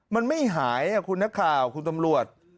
มันไม่หายคุณนักข่าวคุณตำรวจ